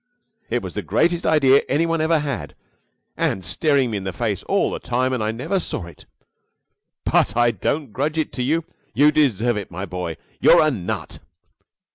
It was the greatest idea any one ever had and staring me in the face all the time and I never saw it! But I don't grudge it to you you deserve it my boy! You're a nut!"